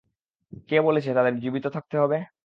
কে বলেছে তাদের জীবিত থাকতে হবে?